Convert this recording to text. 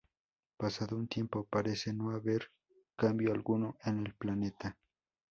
Pasado un tiempo, parece no haber cambio alguno en el planeta.